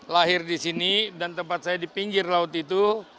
lahir di sini dan tempat saya di pinggir laut itu